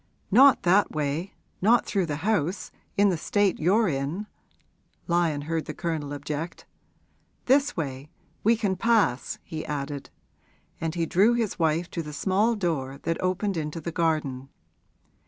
'Not that way not through the house, in the state you're in,' Lyon heard the Colonel object. 'This way we can pass,' he added; and he drew his wife to the small door that opened into the garden.